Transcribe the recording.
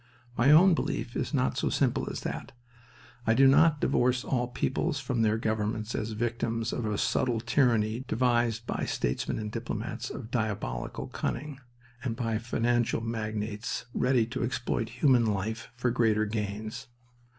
My own belief is not so simple as that. I do not divorce all peoples from their governments as victims of a subtle tyranny devised by statesmen and diplomats of diabolical cunning, and by financial magnates ready to exploit human life for greater gains.